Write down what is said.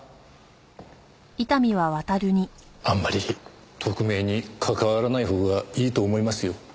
あんまり特命に関わらないほうがいいと思いますよ